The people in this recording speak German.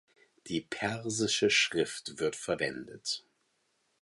Die Persische Schrift wird verwendet.